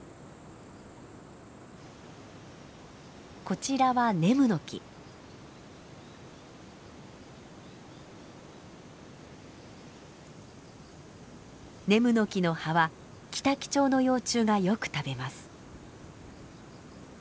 こちらはネムノキの葉はキタキチョウの幼虫がよく食べます。